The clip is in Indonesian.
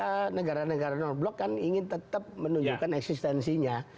ya waktu itu kan memang negara negara norblok kan ingin tetap menunjukkan eksistensinya